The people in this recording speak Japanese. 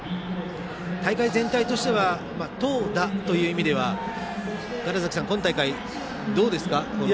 大会全体としては投打という意味では川原崎さん、今大会どうですか。